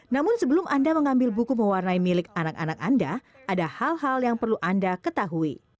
namun sebelum anda mengambil buku mewarnai milik anak anak anda ada hal hal yang perlu anda ketahui